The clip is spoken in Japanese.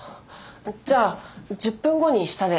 じゃあ１０分後に下で。